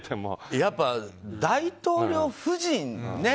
やっぱ、大統領夫人ね。